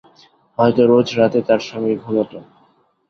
হয়তো রোজ রাতে তার সঙ্গে ঘুমুত।